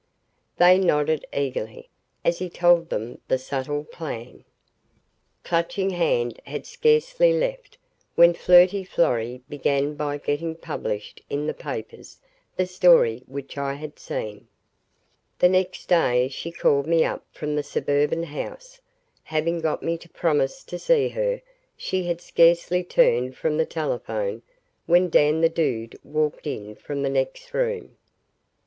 They nodded eagerly as he told them the subtle plan. Clutching Hand had scarcely left when Flirty Florrie began by getting published in the papers the story which I had seen. The next day she called me up from the suburban house. Having got me to promise to see her, she had scarcely turned from the telephone when Dan the Dude walked in from the next room.